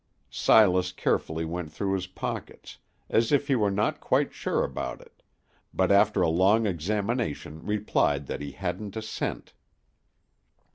Silas carefully went through his pockets, as if he were not quite sure about it, but after a long examination replied that he hadn't a cent.